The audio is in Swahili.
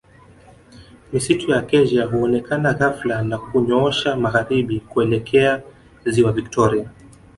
Misitu ya Acacia huonekana ghafla na kunyoosha magharibi kuelekea ziwa Victoria